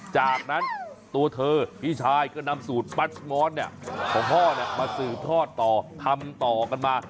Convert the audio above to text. จากนั้นตัวเธอพี่ชายก็นำสูตรปัสมอนของพ่อมาสืบทอดต่อทำต่อกันมา